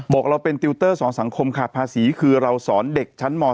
บอกเราเป็นติวเตอร์สอนสังคมขาดภาษีคือเราสอนเด็กชั้นม๒